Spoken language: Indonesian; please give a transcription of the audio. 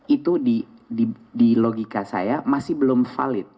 itu di logika saya masih belum valid